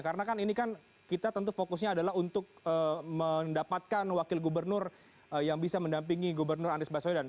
karena kan ini kan kita tentu fokusnya adalah untuk mendapatkan wakil gubernur yang bisa mendampingi gubernur anies baswedan